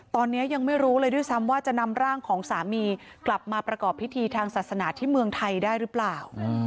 ตอนนี้ยังไม่รู้เลยด้วยซ้ำว่าจะนำร่างของสามีกลับมาประกอบพิธีทางศาสนาที่เมืองไทยได้หรือเปล่า